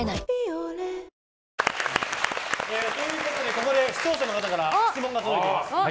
ここで視聴者の方から質問が届いています。